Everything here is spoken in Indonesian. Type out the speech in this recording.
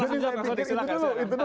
jadi saya pikir itu dulu